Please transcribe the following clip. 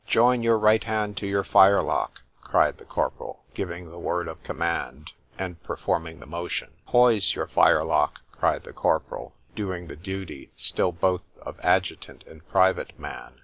— "Join your right hand to your firelock," cried the corporal, giving the word of command, and performing the motion.— "Poise your firelock," cried the corporal, doing the duty still both of adjutant and private man.